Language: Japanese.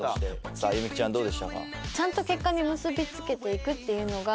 さあ弓木ちゃんどうでしたか？